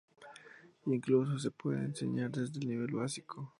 Incluso se puede enseñar desde el nivel básico.